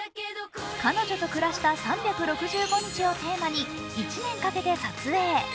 「彼女と暮らした３６５日」をテーマに１年かけて撮影。